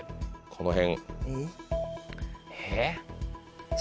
この辺。